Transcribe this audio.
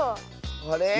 あれ？